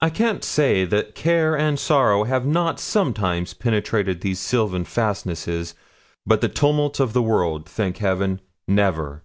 I can't say that care and sorrow have not sometimes penetrated these sylvan fastnesses; but the tumults of the world, thank Heaven! never.'